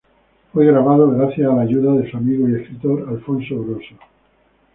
Fue grabado gracias a la ayuda de su amigo y escritor Alfonso Grosso.